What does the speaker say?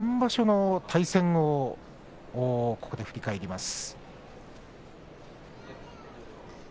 先場所の対戦をここで振り返ります。